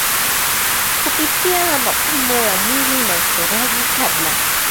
kupitia mapambo ya mwili na uchoraji Kabla